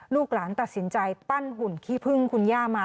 ลูกหลานตัดสินใจปั้นหุ่นขี้พึ่งคุณย่ามา